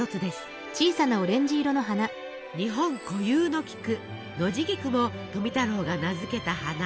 日本固有の菊ノジギクも富太郎が名付けた花。